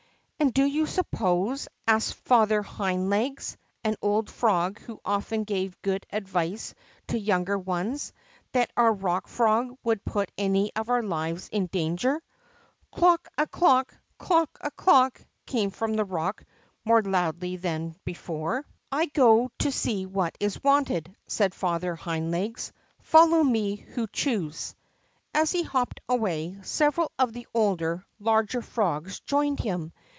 " And do you suppose," asked Father Hind Legs, an old frog who often gave good advice to younger ones, that our Rock Frog would put any of our lives in danger ?" Clook arclook ! Clook a clook I " came from the rock, more loudly than before. 42 THE ROCK FROG I go to see what is wanted/' said Father Hind Legs. Follow me who choose." As he hopped away, several of the older, larger frogs joined him.